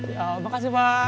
ya makasih pak